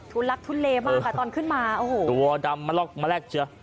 ทุนลักษณ์ทุนเลมากอะตอนขึ้นมาโอ้โหตัวดำมันลอกแมลกเชีย